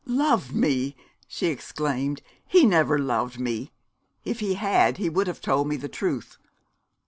'Loved me!' she exclaimed; 'he never loved me. If he had he would have told me the truth.